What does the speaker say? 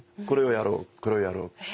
「これをやろうこれをやろう」。